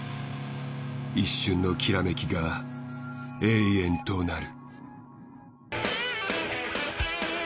一瞬のきらめきが永遠となる。